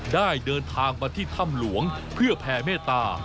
ได้เดินทางมาที่ถ้ำหลวงเพื่อแผ่เมตตา